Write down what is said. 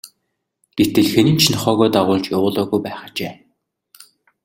Гэтэл хэн нь ч нохойгоо дагуулж явуулаагүй байх ажээ.